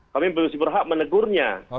kami berusaha berhak menegurnya